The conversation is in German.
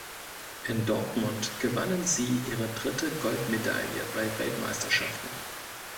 In Dortmund gewannen sie ihre dritte Goldmedaille bei Weltmeisterschaften.